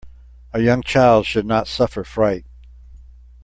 A young child should not suffer fright.